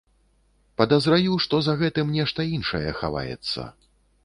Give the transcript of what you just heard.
Падазраю, што за гэтым нешта іншае хаваецца.